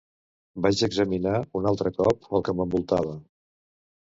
Vaig examinar un altre cop el que m'envoltava.